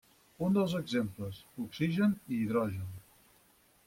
Uns dels exemples: oxigen i hidrogen.